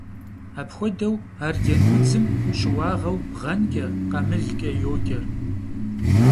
Apxuedeu arcenudzım şıuağeu bğenç'e, khamılç'e yoce.